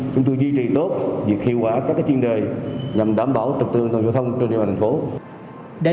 chúng tôi duy trì tốt việc hiệu quả các chuyên đề nhằm đảm bảo trực tượng đoàn giao thông trên địa bàn tp hcm